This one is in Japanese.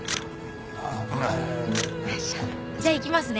じゃあいきますね。